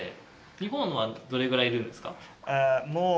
日本はどれくらいいるんですか？